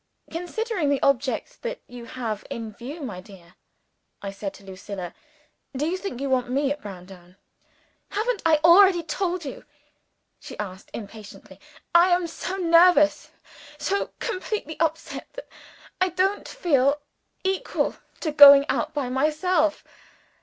"Considering the object that you have in view, my dear," I said to Lucilla, "do you think you want me at Browndown?" "Haven't I already told you?" she asked impatiently. "I am so nervous so completely upset that I don't feel equal to going out by myself.